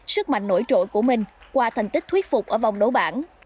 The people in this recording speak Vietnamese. sức mạnh nổi trội của mình qua thành tích thuyết phục ở vòng đấu bảng